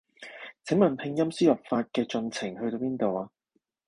請問拼音輸入法嘅進程去到邊度啊？